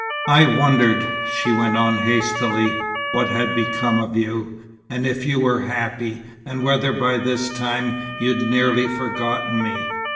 "I wondered," she went on hastily, "what had become of you, and if you were happy, and whether by this time you'd nearly forgotten me.